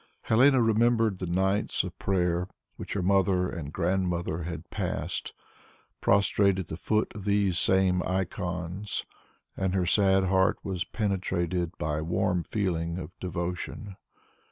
Helene remembered the nights of prayer which her mother and grandmother had passed, prostrate at the foot of these same icons, and her sad heart was penetrated by a warm feeling of devotion.